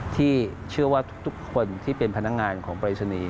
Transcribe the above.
ที่เชื่อว่าทุกคนที่เป็นพนักงานของปรายศนีย์